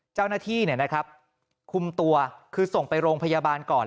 เจ้าหน้าที่คุมตัวคือส่งไปโรงพยาบาลก่อน